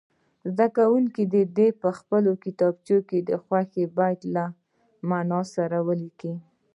زده کوونکي دې په خپلو کتابچو کې خوښ بیت له معنا سره ولیکي.